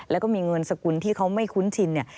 แล้วก็มีเงินสกุลที่เขาไม่คุ้นชินเนี่ย